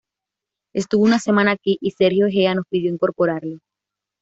Estuvo una semana aquí y Sergio Egea nos pidió incorporarlo"".